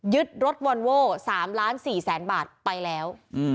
รถวอนโว้๓ล้าน๔แสนบาทไปแล้ว